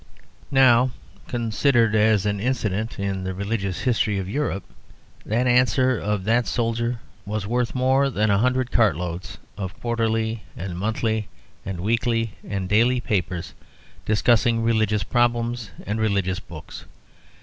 Now, considered as an incident in the religious history of Europe, that answer of that soldier was worth more than a hundred cartloads of quarterly and monthly and weekly and daily papers discussing religious problems and religious books.